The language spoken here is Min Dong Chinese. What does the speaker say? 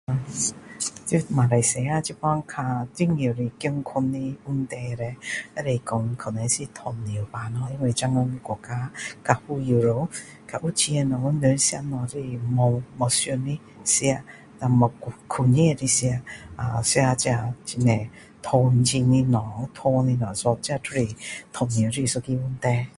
这马来西亚现在较重要的健康的问题叻可以说可能是糖尿病咯因为现在国家较富有了有钱了人吃东西就是没想的吃没控制的吃啊吃这很多糖精的东西这就是糖尿的一个问题